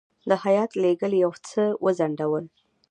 د هیات لېږل یو څه وځنډول.